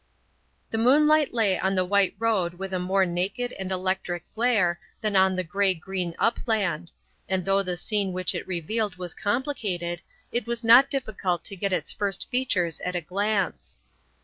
The moonlight lay on the white road with a more naked and electric glare than on the grey green upland, and though the scene which it revealed was complicated, it was not difficult to get its first features at a glance.